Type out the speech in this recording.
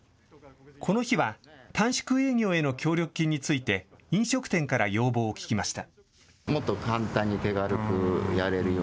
この日は、短縮営業への協力金について飲食店から要望を聞きました。